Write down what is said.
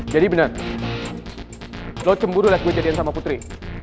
jadi bener lo cemburu lihat gue jadian sama putri